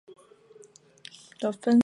水的氢键作用使该分子稳定。